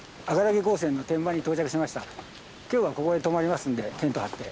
今日はここで泊まりますんでテント張って。